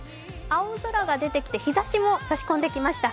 青空が出てきて日ざしも差し込んできました。